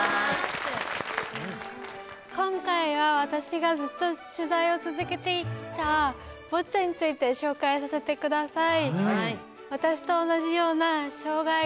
今回は、私がずっと取材を続けてきたボッチャについて紹介させてください。